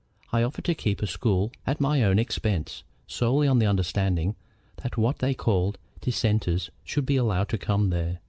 I offered to keep a school at my own expense, solely on the understanding that what they call Dissenters should be allowed to come there.